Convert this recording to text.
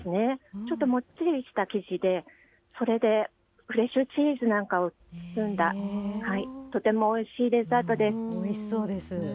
ちょっともっちりした生地で、それでフレッシュチーズなんかを包んだ、おいしそうです。